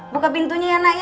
buka pintunya ya nak